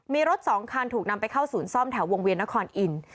มีรถสองคันถูกนำไปเข้าศูนย์ซ่อมแถววงเวียนนครอินทร์